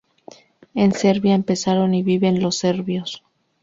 En Serbia empezaron y viven los serbios.